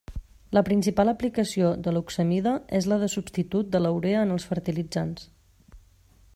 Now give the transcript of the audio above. La principal aplicació de l'oxamida és la de substitut de la urea en els fertilitzants.